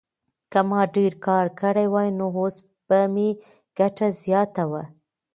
که ما ډېر کار کړی وای نو اوس به مې ګټه زیاته وه.